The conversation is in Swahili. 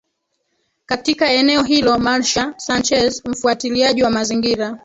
katika eneo hilo Marcial Sanchez mfuatiliaji wa mazingira